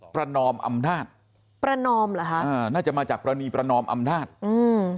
นอมอำนาจประนอมเหรอฮะอ่าน่าจะมาจากกรณีประนอมอำนาจอืม